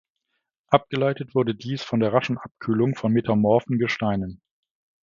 Abgeleitet wurde dies von der raschen Abkühlung von metamorphen Gesteinen.